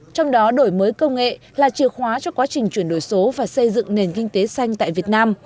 trong đó đổi mới công nghệ là chìa khóa cho quá trình chuyển đổi số và xây dựng nền kinh tế xanh tại việt nam